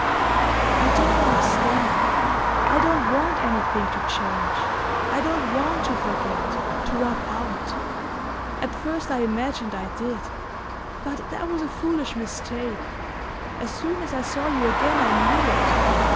"You don't understand. I don't want anything to change. I don't want to forget to rub out. At first I imagined I did; but that was a foolish mistake. As soon as I saw you again I knew it...